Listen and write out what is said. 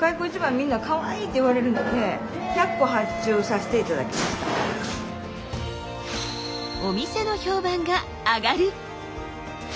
みんな「カワイイ！」って言われるのでお店の評判があがる。